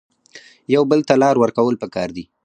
یو بل ته لار ورکول پکار دي